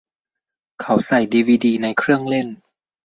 เขาใส่ดีวีดีในเครื่องเล่น